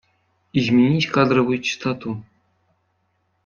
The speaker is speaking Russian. Изменить кадровую частоту